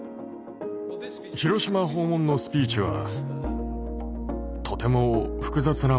広島訪問のスピーチはとても複雑なものでした。